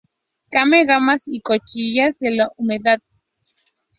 Come gambas y cochinillas de la humedad.